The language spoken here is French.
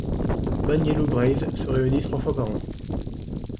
Bannieloù Breizh se réunit trois fois par an.